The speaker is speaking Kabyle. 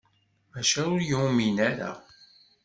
Maca ur yumin ara.